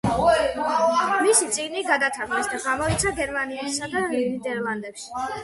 მისი წიგნი გადათარგმნეს და გამოიცა გერმანიასა და ნიდერლანდებში.